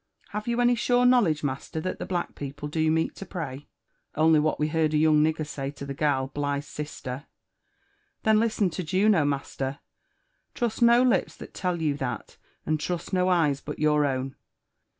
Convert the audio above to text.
Have you any sure knowledge, coaster, that Ibe black people do meet to pray V ''Only what we heard a ypuqg nigger say to ibe gal, Bligb'i «sler." Then listen to Juno, master! — Trust no lips that tell you tha^ and trust no eyes but your own.